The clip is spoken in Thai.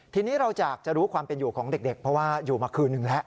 ทีนี้เราอยากจะรู้ความเป็นอยู่ของเด็กเพราะว่าอยู่มาคืนนึงแล้ว